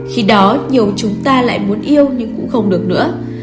khi đó nhiều chúng ta lại muốn yêu nhưng cũng không được nữa